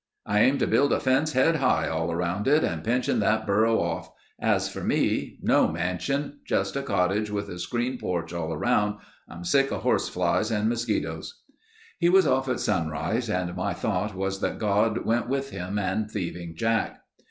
I aim to build a fence head high all around it and pension that burro off. As for me—no mansion. Just a cottage with a screen porch all around. I'm sick of horseflies and mosquitoes." He was off at sunrise and my thought was that God went with him and Thieving Jack.